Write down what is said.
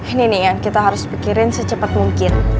ini nih yang kita harus pikirin secepat mungkin